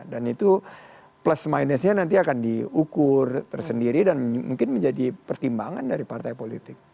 dan itu plus minusnya nanti akan diukur tersendiri dan mungkin menjadi pertimbangan dari partai politik